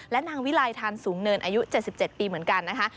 และนางวิลัยธานสูงเนินอายุเจ็ดสิบเจ็ดปีเหมือนกันนะคะ